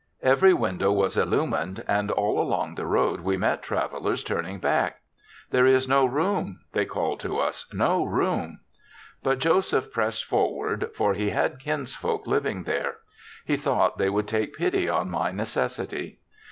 Every window was illumined and all along the road we met travel ers turning back. 'There is no room,' they called to us, ' no room.' THE SEVENTH CHRISTMAS 31 But Joseph pressed forward, for he had kinsfolk living there; he thought they would take pity on my neces sity.